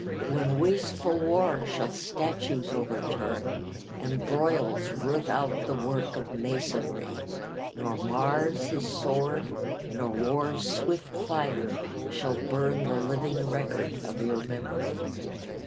When wasteful war shall statues overturn, And broils root out the work of masonry, Nor Mars his sword nor war's quick fire shall burn The living record of your memory.